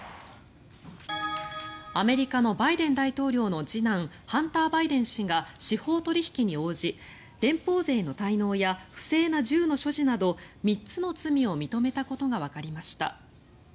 アメリカのバイデン大統領の次男ハンター・バイデン氏が司法取引に応じ、連邦税の滞納や不正な銃の所持など３つの罪を認めたことがわかりました。